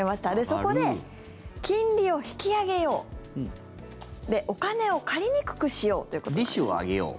そこで、金利を引き上げようお金を借りにくくしようということで。